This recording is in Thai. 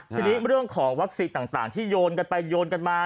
ทีนี้เรื่องของวัคซีนต่างที่โยนกันไปโยนกันมา